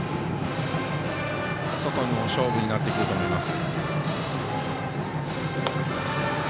外の勝負になってくると思います。